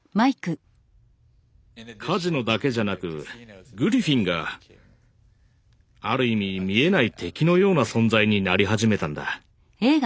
カジノだけじゃなくグリフィンがある意味見えない敵のような存在になり始めたんだ。